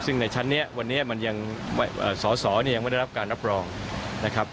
ซึ่งในชั้นนี้วันนี้มันยังสอสอเนี่ยยังไม่ได้รับการรับรองนะครับ